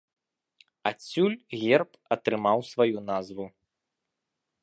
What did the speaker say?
Адсюль герб атрымаў сваю назву.